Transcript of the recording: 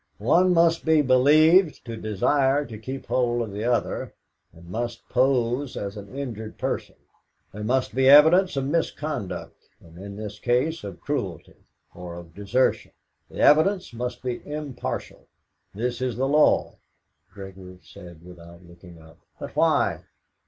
"One must be believed to desire to keep hold of the other, and must pose as an injured person. There must be evidence of misconduct, and in this case of cruelty or of desertion. The evidence must be impartial. This is the law." Gregory said without looking up: "But why?"